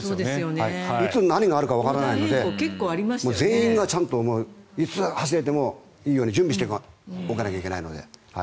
いつ、何があるかわからないので全員がちゃんといつ走るようになってもいいように準備しておかないといけないので。